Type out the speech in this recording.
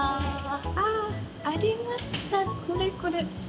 あありました、これこれ。